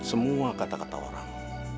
semua kata kata orang